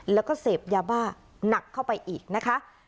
แล้วก็เสพยาบ้าหนักเข้าไปอีกนะคะ